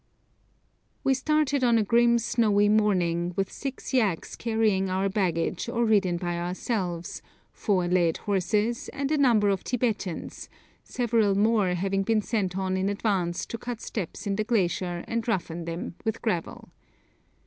We started on a grim snowy morning, with six yaks carrying our baggage or ridden by ourselves, four led horses, and a number of Tibetans, several more having been sent on in advance to cut steps in the glacier and roughen them with gravel.